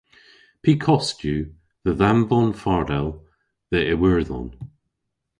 Py kost yw dhe dhanvon fardel dhe Iwerdhon.